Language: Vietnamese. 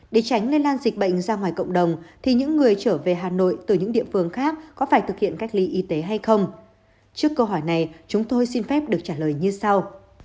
để tránh lây lan dịch bệnh ra ngoài cộng đồng thì những người trở về hà nội từ những địa phương khác có phải thực hiện cách ly y tế hay không trước câu hỏi này chúng tôi xin phép được trả lời như sau